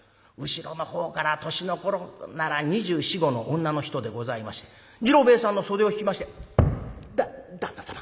後ろのほうから年の頃なら２４２５の女の人でございまして次郎兵衛さんの袖を引きまして「だ旦那様